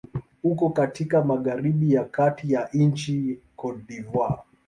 Uko katika magharibi ya kati ya nchi Cote d'Ivoire.